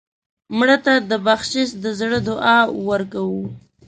مړه ته د بخشش د زړه دعا ورکوو